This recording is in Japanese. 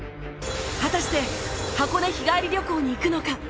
果たして箱根日帰り旅行に行くのか？